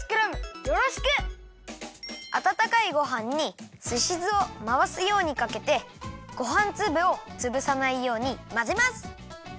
あたたかいごはんにすし酢をまわすようにかけてごはんつぶをつぶさないようにまぜます！